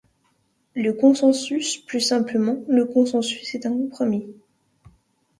Le consensus Plus simplement, le consensus est un compromis.